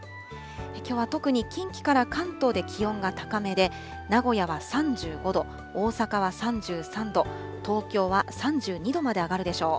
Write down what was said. きょうは特に近畿から関東で気温が高めで、名古屋は３５度、大阪は３３度、東京は３２度まで上がるでしょう。